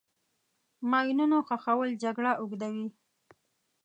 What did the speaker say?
د ماینونو ښخول جګړه اوږدوي.